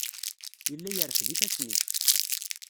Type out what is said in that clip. Yella yerfed ifassen-is.